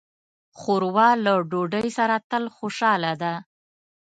ښوروا له ډوډۍ سره تل خوشاله ده.